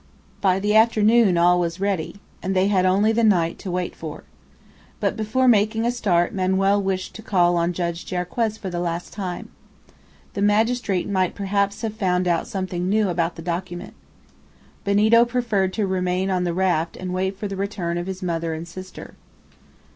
By the afternoon all was ready, and they had only the night to wait for. But before making a start Manoel wished to call on Judge Jarriquez for the last time. The magistrate might perhaps have found out something new about the document. Benito preferred to remain on the raft and wait for the return of his mother and sister.